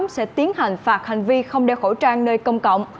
sẽ tiến hành phạt hành vi không đeo khẩu trang nơi công cộng